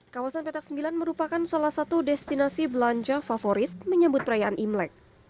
kawasan petak sembilan merupakan salah satu destinasi belanja favorit menyambut perayaan imlek